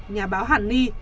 nhà báo hản ni